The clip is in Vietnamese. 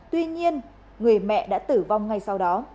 tuy nhiên người mẹ đã tử vong ngay sau đó